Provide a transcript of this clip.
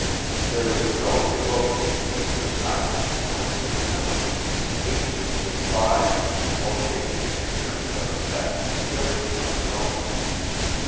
There is no devotee, who does not, according to his temperament, hate, despise, or pity the adherents of a sect, different from his own.